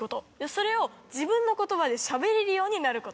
それを自分の言葉でしゃべれるようになること。